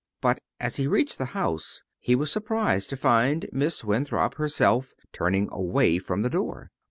But as he reached the house, he was surprised to find Miss Winthrop herself turning away from the door.